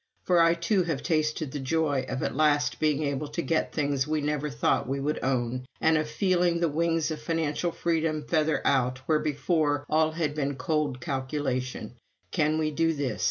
For I, too, have tasted the joy of at last being able to get things we never thought we would own and of feeling the wings of financial freedom feather out where, before, all had been cold calculation: Can we do this?